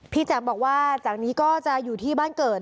แจ๋มบอกว่าจากนี้ก็จะอยู่ที่บ้านเกิด